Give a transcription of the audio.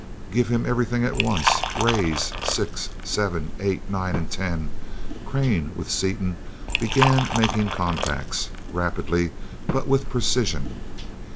"Give him everything at once. Rays six, seven, eight, nine, and ten...." Crane, with Seaton, began making contacts, rapidly but with precision.